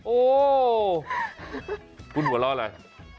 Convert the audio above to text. โอ้คุณหัวเราะอะไร